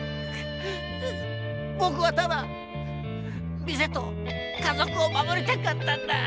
ぼくはただ店と家族を守りたかったんだ！